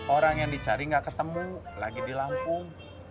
orang yang dicari nggak ketemu lagi di lampung